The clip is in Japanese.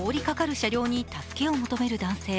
車両に助けを求める男性。